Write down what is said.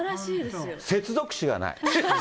接続詞がない。